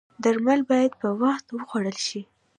درمل باید په وخت وخوړل شي